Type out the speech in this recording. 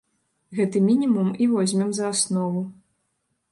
Гэты мінімум і возьмем за аснову.